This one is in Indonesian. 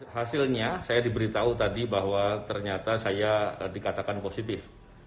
hasilnya saya diberitahu tadi bahwa ternyata saya dikatakan positif